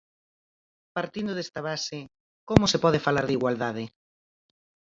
Partindo desta base, como se pode falar de igualdade?